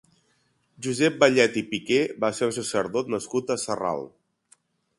Josep Vallet i Piquer va ser un sacerdot nascut a Sarral.